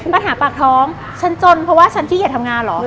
ปัญหาปากท้องฉันจนเพราะว่าฉันขี้อย่าทำงานเหรอ